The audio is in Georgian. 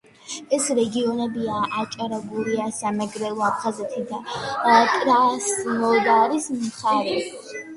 ეს რეგიონებია: აჭარა, გურია, სამეგრელო, აფხაზეთი და კრასნოდარის მხარე.